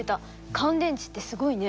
乾電池ってすごいね。